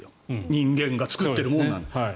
人間が作っているものだから。